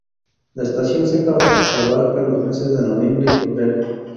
La estación seca abarca los meses de noviembre a febrero.